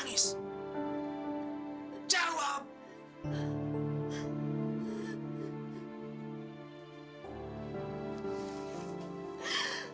kamu sudah berubah